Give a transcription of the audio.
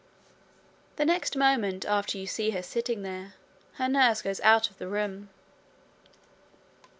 The next moment after you see her sitting there, her nurse goes out of the room.